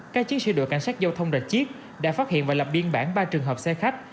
các chiến sĩ đội cảnh sát giao thông rạch chiếc đã phát hiện và lập biên bản ba trường hợp xe khách